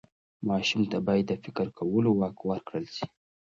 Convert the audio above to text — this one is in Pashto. ماشوم ته باید د فکر کولو واک ورکړل سي.